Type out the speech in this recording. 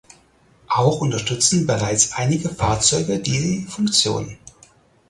Auch unterstützen bereits einige Fahrzeuge die Funktion.